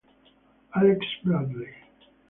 Alex Bradley